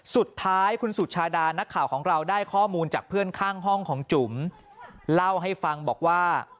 สุดท้ายคุณสุชาดานักข่าวของเราได้ข้อมูลจากเพื่อนข้างห้องของจุ๋มเล่าให้ฟังบอกว่า